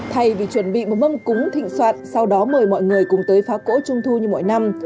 thay vì chuẩn bị một mâm cúng thịnh soạn sau đó mời mọi người cùng tới phá cỗ trung thu như mọi năm